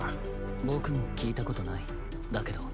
僕も聞いたことないだけど。